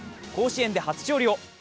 甲子園で初勝利を。